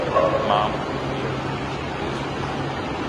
Mamma, lieliski izskaties.